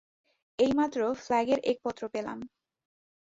এইমাত্র ফ্ল্যাগের এক পত্র পেলাম।